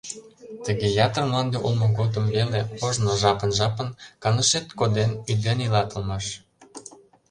Тыге ятыр мланде улмо годым веле, ожно, жапын-жапын канышет коден, ӱден илат улмаш.